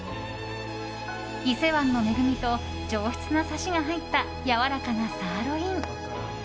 伊勢湾の恵みと上質なサシが入ったやわらかなサーロイン。